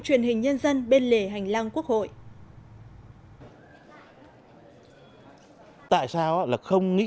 truyền hình nhân dân bên lề hành lang quốc hội